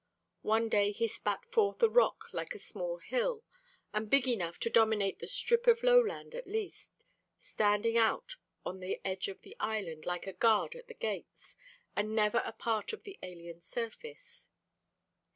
One day he spat forth a rock like a small hill, and big enough to dominate the strip of lowland at least, standing out on the edge of the island like a guard at the gates, and never a part of the alien surface.